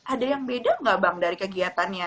ada yang beda nggak bang dari kegiatannya